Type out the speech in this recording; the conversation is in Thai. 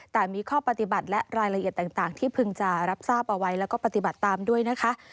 แต่มีข้อปฏิบัติและรายละเอียดต่างที่พึงจะรับทราบเอาไว้แล้วก็ปฏิบัติตามด้วยนะคะ